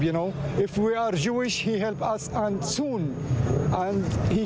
ถ้าเราคุณภาพแล้วเค้าจะช่วย